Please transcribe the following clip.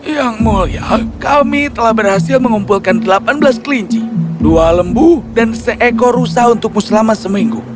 yang mulia kami telah berhasil mengumpulkan delapan belas kelinci dua lembu dan seekor rusa untukmu selama seminggu